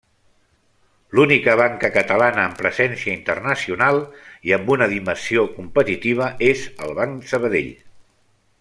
L'única banca catalana amb presència internacional i amb una dimensió competitiva, és el Banc Sabadell.